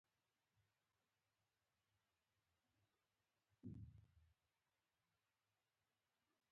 کلي د خلکو له اعتقاداتو سره تړاو لري.